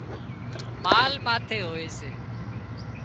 مال ماٿي هوئي سي